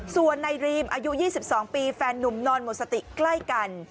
ส่วนในดรีมอายุ๒๒ปีแฟนนุ่มนอนหมดสติใกล้กัน